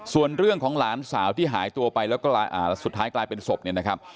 ส่วนเรื่องของหลานสาวที่หายตัวไปแล้วก็สุดท้ายกลายเป็นศพเนี่ยนะครับ